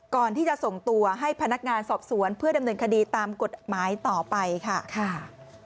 ก่อนที่จะส่งตัวให้พนักงานสอบสวนเพื่อดำเนินคดีตามกฎหมายต่อไปค่ะ